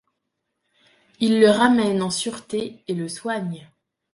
Il le ramène en sûreté et le soigne.